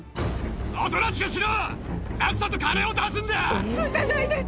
おとなしくしろ、さっさと金撃たないで。